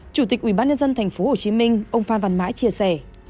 chủ tịch ubnd tp hcm ông phan văn mãi chia sẻ